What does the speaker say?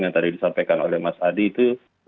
yang tadi disampaikan oleh mas adi itu